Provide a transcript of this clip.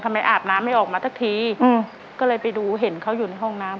อาบน้ำไม่ออกมาสักทีอืมก็เลยไปดูเห็นเขาอยู่ในห้องน้ำ